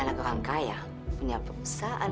anak orang kaya punya perusahaan